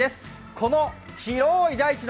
この広い大地の